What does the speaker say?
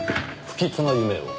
不吉な夢を？